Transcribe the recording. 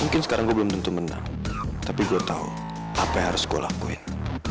mungkin sekarang gue belum tentu menang tapi gue tau apa yang harus gue lakuin